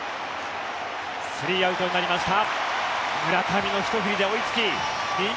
３アウトになりました。